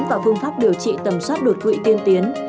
và phương pháp điều trị tầm soát đột quỵ tiên tiến